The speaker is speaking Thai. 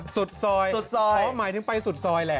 สุดซอยเค้าหมายถึงไปสุดซอยแหละ